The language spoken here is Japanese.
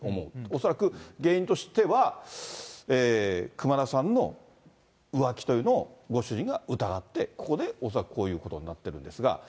恐らく原因としては、熊田さんの浮気というのをご主人が疑って、ここで恐らくこういうことになってるんですが。